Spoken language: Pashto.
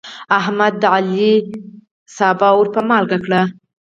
احمد د علي سابه ور په مالګه کړل.